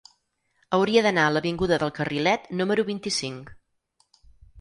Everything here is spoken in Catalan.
Hauria d'anar a l'avinguda del Carrilet número vint-i-cinc.